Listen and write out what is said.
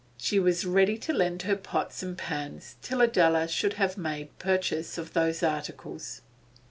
She was ready to lend her pots and pans till Adela should have made purchase of those articles.